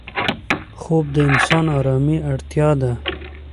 خوب د انسان آرامي اړتیا ده